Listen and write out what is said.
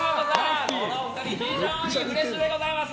この２人非常にフレッシュでございます。